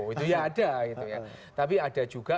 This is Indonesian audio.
itu ya ada tapi ada juga